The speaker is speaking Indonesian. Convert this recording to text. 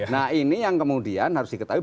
nah ini yang kemudian harus diketahui